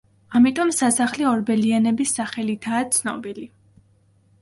ამიტომ სასახლე ორბელიანების სახელითაა ცნობილი.